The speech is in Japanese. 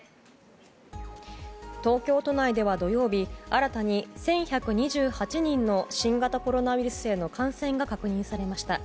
東京都内では土曜日新たに１１２８人の新型コロナウイルスへの感染が確認されました。